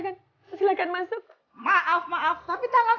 dan tidak hanya karena kupil l tusuk